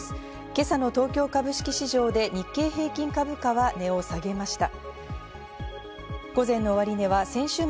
今朝の東京株式市場で日経平均株価は値を下げました。